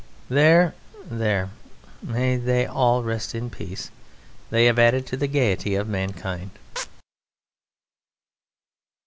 There! There! May they all rest in peace! They have added to the gaiety of mankind.